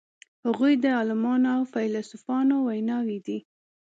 هغوی د عالمانو او فیلسوفانو ویناوی دي.